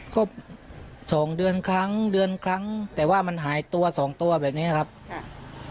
ก็สองเดือนครั้งเดือนครั้งแต่ว่ามันหายตัวสองตัวแบบนี้ครับค่ะ